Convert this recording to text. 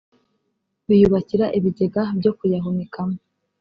biyubakira ibigega byo kuyahunikamo